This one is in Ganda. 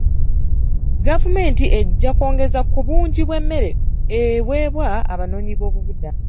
Gavumenti ejja kwongeza ku bungi bw'emmere eweebwa abanoonyi b'obubuddamu.